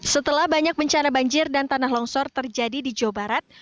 setelah banyak bencana banjir dan tanah longsor terjadi di jawa barat